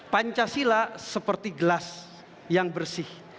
pancasila seperti gelas yang bersih